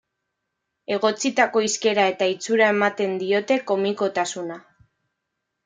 Egotzitako hizkera eta itxura ematen diote komikotasuna.